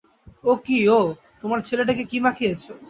ও কী ও, তোমার ছেলেটিকে কী মাখিয়েছ।